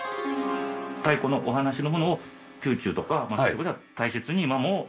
太古のお話のものを宮中とかそこでは大切に今も？